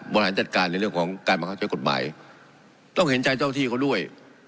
บริหารจัดการในเรื่องของการบังคับใช้กฎหมายต้องเห็นใจเจ้าที่เขาด้วย